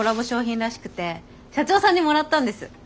商品らしくて社長さんにもらったんです。